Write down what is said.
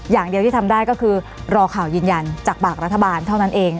อย่างเดียวที่ทำได้ก็คือรอข่าวยืนยันจากปากรัฐบาลเท่านั้นเอง